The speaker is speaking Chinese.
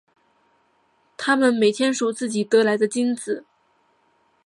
他们每天数自己得来的金子。